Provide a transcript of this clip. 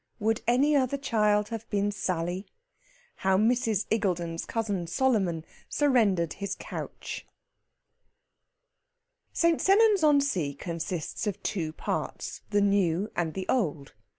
WOULD ANY OTHER CHILD HAVE BEEN SALLY? HOW MRS. IGGULDEN'S COUSIN SOLOMON SURRENDERED HIS COUCH St. Sennans on Sea consists of two parts the new and the old.